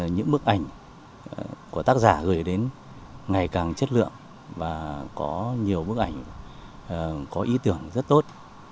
những bức ảnh của tác giả gửi đến ngày càng chất lượng và có nhiều bức ảnh có ý tưởng rất tốt